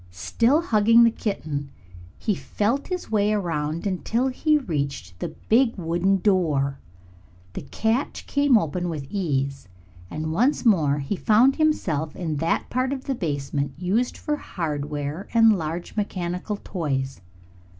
Still hugging the kitten, he felt his way around until he reached the big wooden door. The catch came open with ease, and once more he found himself in that part of the basement used for hardware and large mechanical toys.